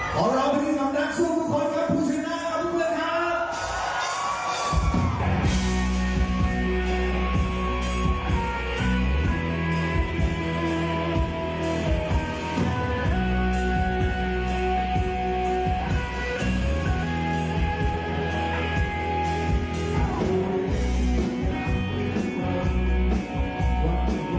ขอบรรพีกำลังสู้กับพ่อเจ้าผู้ชนะครับทุกคนค่ะ